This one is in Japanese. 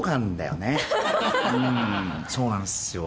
うんそうなんですよ